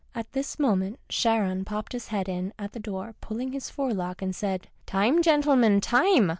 At this moment Charon popped his head in at the door, pulling his forelock, and said, " Time, gen'lemen, time